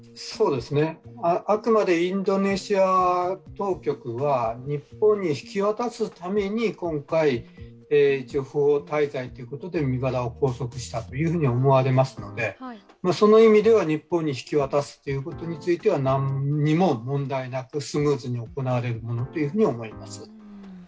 あくまでインドネシア当局は日本に引き渡すために今回、不法滞在ということで身柄を拘束したと思われますのでその意味では日本に引き渡すということについては何も問題なくスムーズに行われると思います。